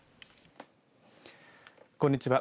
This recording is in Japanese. こんにちは。